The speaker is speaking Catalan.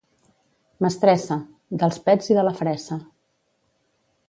—Mestressa. —Dels pets i de la fressa.